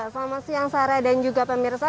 selamat siang sarah dan juga pemirsa